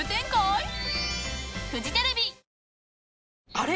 あれ？